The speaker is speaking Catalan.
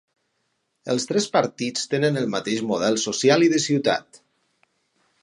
Els tres partits tenen el mateix model social i de ciutat.